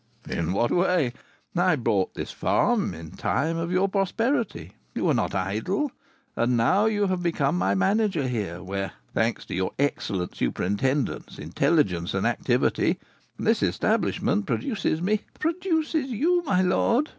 "In what way? I bought this farm; in time of your prosperity you were not idle, and now you have become my manager here, where thanks to your excellent superintendence, intelligence, and activity this establishment produces me " "Produces you, my lord?"